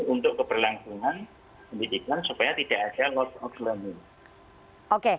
untuk keberlangsungan pendidikan supaya tidak ada lost of learning